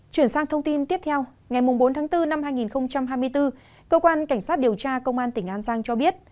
chuyển sang thông tin tiếp theo ngày bốn tháng bốn năm hai nghìn hai mươi bốn cơ quan cảnh sát điều tra công an tỉnh an giang cho biết